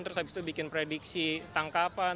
terus habis itu bikin prediksi tangkapan